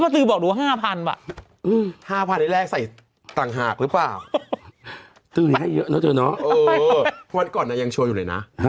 แต่ยังช่วยอยู่เลยนะ